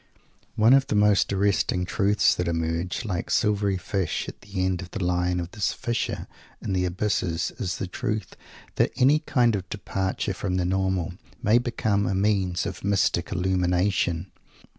One of the most arresting "truths" that emerge, like silvery fish, at the end of the line of this Fisher in the abysses is the "truth" that any kind of departure from the Normal may become a means of mystic illumination.